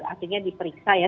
akhirnya diperiksa ya